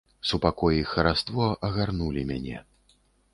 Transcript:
Супакой і хараство агарнулі мяне.